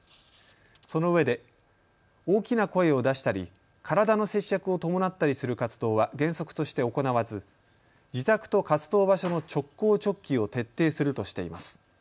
そのうえで大きな声を出したり、体の接触を伴ったりする活動は原則として行わず自宅と活動場所の直行直帰を徹底するとしています。